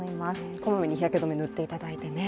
小まめに日焼け止めを塗っていただいてね。